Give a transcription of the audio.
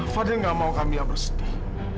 fadil gak mau kami yang bersedih